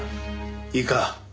いいか。